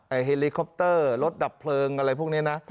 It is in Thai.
เฮลิคอปเตอร์รถดับเพลิงอะไรพวกนี้นะ